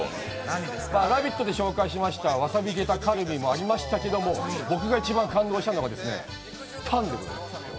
「ラヴィット！」で紹介しましたワサビゲタカルビもありましたけど僕が一番感動したのがタンです。